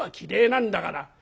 なんだから！」。